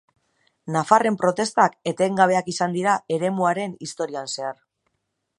Nafarren protestak etengabeak izan dira eremuaren historian zehar.